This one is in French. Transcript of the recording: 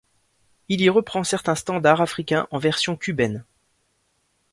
Il y reprend certains standards africain en version cubaine.